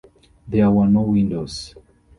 There were no windows.